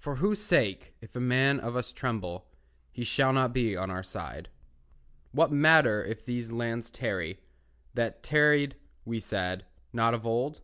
For whose sake, if a man of us tremble, He shall not be on our side. What matter if these lands tarry, That tarried (we said) not of old?